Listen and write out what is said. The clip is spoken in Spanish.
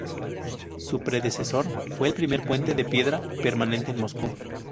Su predecesor fue el primer puente de piedra permanente en Moscú.